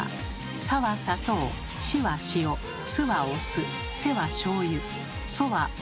「さ」は砂糖「し」は塩「す」はお酢「せ」はしょうゆ「そ」はおみそ。